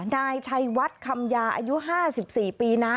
นายชัยวัดคำยาอายุ๕๔ปีนะ